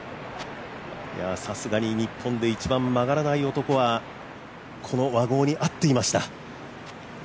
さすがに日本で一番曲がらない男はこの和合に合っていました。